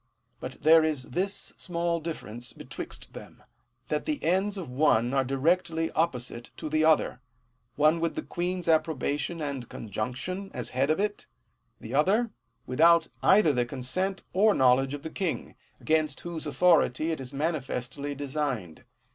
1 But there is this small difference betwixt them, that the ends of the one are directly opposite to the other: one with the queen's approbation and conjunction, as head of it; the other, without either the consent or knowledge of the king, against whose authority it is manifestly designed.